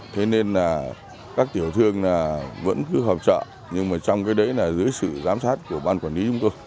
thế nên là các tiểu thương vẫn cứ họp trợ nhưng mà trong cái đấy là dưới sự giám sát của ban quản lý chúng tôi